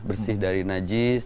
bersih dari najis